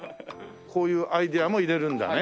こういうアイデアも入れるんだね。